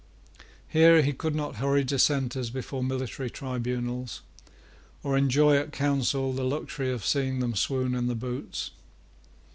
Here he could not hurry Dissenters before military tribunals, or enjoy at Council the luxury of seeing them swoon in the boots.